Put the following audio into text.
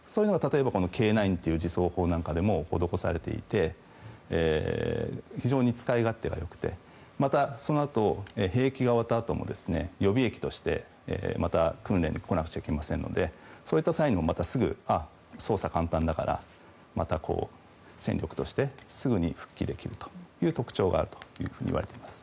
Ｋ９という自走砲でも施されていて非常に使い勝手が良くてまた、そのあと兵役が終わったあとも予備役としてまた訓練に来なくちゃいけませんのでそういった際にも操作が簡単だからまた戦力として、すぐに復帰できるという特徴があるといわれています。